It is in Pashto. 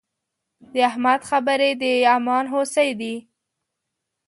د احمد خبرې د دامان هوسۍ دي.